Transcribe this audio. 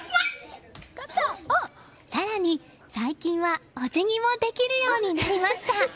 更に最近はお辞儀もできるようになりました。